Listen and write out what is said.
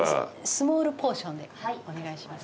スモールポーションでお願いします。